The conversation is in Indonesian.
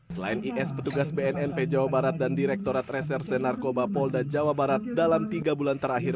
selain is petugas bnnp jawa barat dan direktorat reserse narkoba polda jawa barat dalam tiga bulan terakhir